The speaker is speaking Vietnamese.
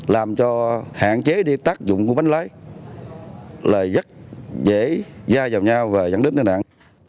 làm cho hạn chế đi tác dụng của bánh lái là rất dễ dai vào nhau và dẫn đến tai nạn